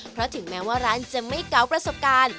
เพราะถึงแม้ว่าร้านจะไม่เกาประสบการณ์